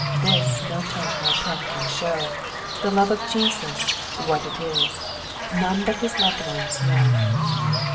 this Nor ton&:ac nor pen can show : The love of Jesus — what it Is, None but his loved ones know."